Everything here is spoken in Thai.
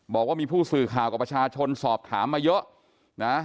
บอกว่ามีผู้สื่อข่าวกับประชาชนสอบถามมาเยอะนะ